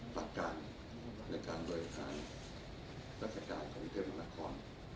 ปรับการในการโดยการราชการของเทพมหาละคร